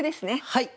はい。